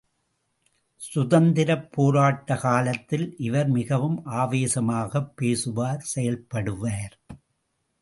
சுதந்திரப் போராட்ட காலத்தில் இவர் மிகவும் ஆவேசமாகப் பேசுவார் செயல்படுவார்.